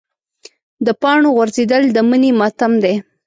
د پاڼو غورځېدل د مني ماتم دی.